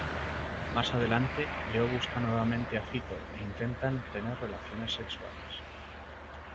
Más adelante, Leo busca nuevamente a Fito e intentan tener relaciones sexuales.